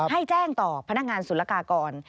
ให้แจ้งต่อพนักงานศุลกากร